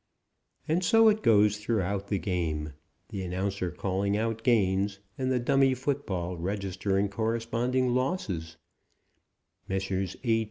And so it goes throughout the game; the announcer calling out gains and the dummy football registering corresponding losses; Messrs. A.